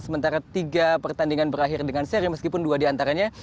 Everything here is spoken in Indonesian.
sementara tiga pertandingan berakhir dengan seri meskipun dua diantaranya